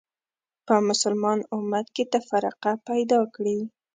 په مسلمان امت کې تفرقه پیدا کړې